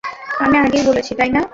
আমি আগেই বলেছি, তাই না?